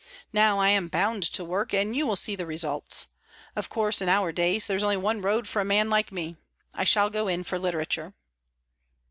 Now I am bound to work, and you will see the results. Of course, in our days, there's only one road for a man like me. I shall go in for literature."